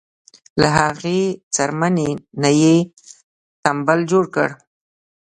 له هغې څرمنې نه یې تمبل جوړ کړی.